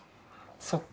そっか。